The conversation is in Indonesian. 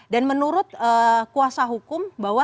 dan menurut kuasa hukum